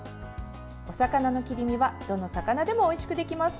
お魚の切り身はどの魚でもおいしくできます。